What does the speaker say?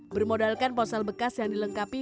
bermodalkan ponsel bekas yang dilengkapi